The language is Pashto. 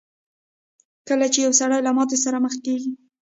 کله چې يو سړی له ماتې سره مخ کېږي.